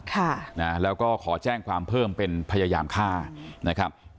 ค่ะนะแล้วก็ขอแจ้งความเพิ่มเป็นพยายามฆ่านะครับ